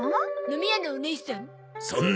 飲み屋のおねいさん？